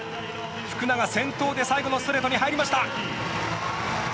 福永先頭で最後のストレートに入りました。